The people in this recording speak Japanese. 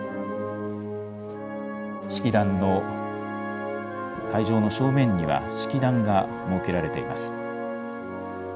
式壇の、会場の正面には、式壇が設けられています。